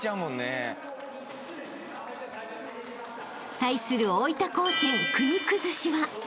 ［対する大分高専國崩しは］